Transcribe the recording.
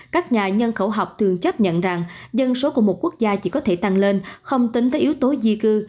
các nhà nhân khẩu học thường chấp nhận rằng dân số của một quốc gia chỉ có thể tăng lên không tính tới yếu tố di cư